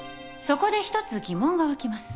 そこで一つ疑問が湧きます。